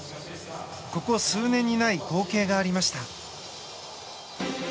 ここ数年にない光景がありました。